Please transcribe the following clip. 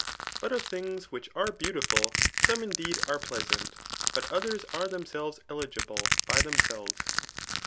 But of things which are beau rifiii, some indeed are pleasant; but others are them sdves eligible by themselves.